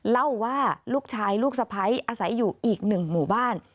เล่าว่าลูกชายลูกสะพ้ายอาศัยอยู่อีกหนึ่งหมู่บ้าน